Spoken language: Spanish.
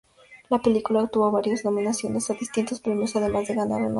La película obtuvo varias nominaciones a distintos premios además de ganar un Oscar.